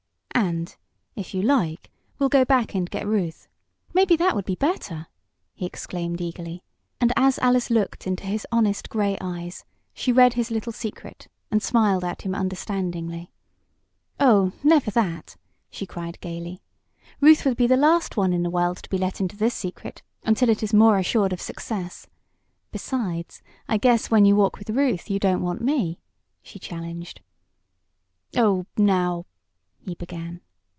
"And, if you like, we'll go back and get Ruth. Maybe that would be better!" he exclaimed eagerly, and as Alice looked into his honest gray eyes she read his little secret, and smiled at him understandingly. "Oh, never that!" she cried gaily. "Ruth would be the last one in the world to be let into this secret, until it is more assured of success. Besides, I guess when you walk with Ruth you don't want me," she challenged. "Oh, now " he began.